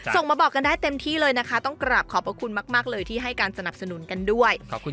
ส่งมาบอกกันได้เต็มที่เลยนะคะต้องกราบขอบพระคุณมากเลยที่ให้การสนับสนุนกันด้วย